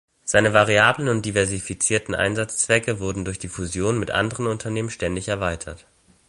Seine variablen und diversifizierten Einsatzzwecke wurden durch die Fusion mit anderen Unternehmen ständig erweitert.